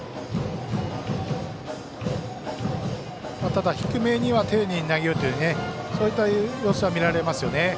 ただ低めには丁寧に投げるというそういった様子は見られますよね。